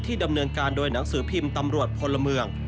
ดำเนินการโดยหนังสือพิมพ์ตำรวจพลเมือง